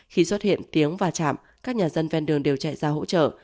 khi xuất hiện tiếng và chạm các nhà dân ven đường đều chạy ra hỗ trợ